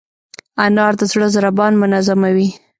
انار د زړه ضربان منظموي.